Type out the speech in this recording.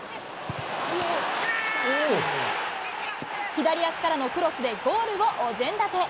左足からのクロスで、ゴールをお膳立て。